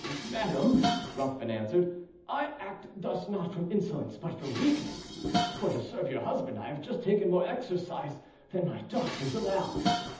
"Madam," Ruthven answered, "I act thus not from insolence, but from weakness; for, to serve your husband, I have just taken more exercise than my doctors allow".